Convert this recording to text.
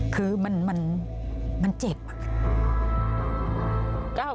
คือมันเจ็บมาก